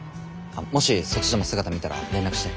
もしそっちでも姿見たら連絡して。